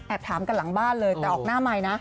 ถามกันหลังบ้านเลยแต่ออกหน้าไมค์นะ